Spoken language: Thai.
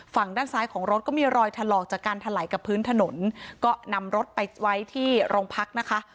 ฝั่งด้านซ้ายของรถก็มีรอยถลอกจากการถลายกับพื้นถนนก็นำรถไปไว้ที่โรงพักนะคะ